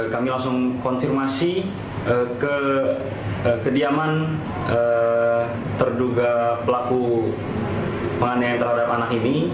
kami langsung konfirmasi ke kediaman terduga pelaku penganiayaan terhadap anak ini